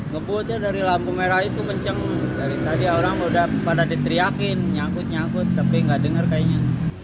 ngebotnya dari lampu merah itu menceng dari tadi orang pada diteriakin nyangkut nyangkut tapi gak dengar kayaknya